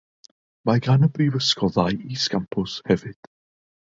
Mae gan y brifysgol ddau is-gampws hefyd.